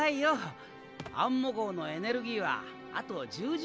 アンモ号のエネルギーはあと１０時間はもつから。